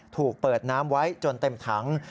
ถูกเปิดน้ำไว้จนเต็มถัง